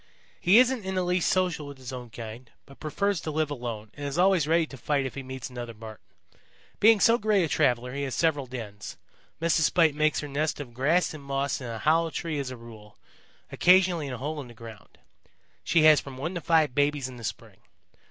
"He isn't in the least social with his own kind but prefers to live alone and is always ready to fight if he meets another Marten. Being so great a traveler he has several dens. Mrs. Spite makes her nest of grass and moss in a hollow tree as a rule, occasionally in a hole in the ground. She has from one to five babies in the spring.